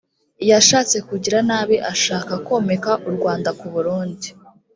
yashatse kugira nabi ashaka komeka u rwanda ku burundi